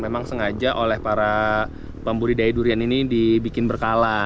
memang sengaja oleh para pembudidaya durian ini dibikin berkala